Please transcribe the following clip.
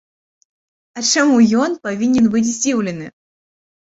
А чаму ён павінен быць здзіўлены?